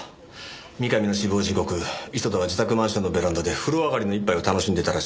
三上の死亡時刻磯田は自宅マンションのベランダで風呂上がりの一杯を楽しんでいたらしい。